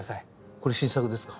これ新作ですか？